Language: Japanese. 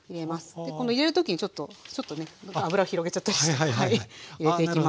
この入れる時にちょっとちょっとね油を広げちゃったりして入れていきます。